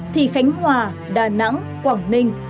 thì khánh hòa đà nẵng quảng ninh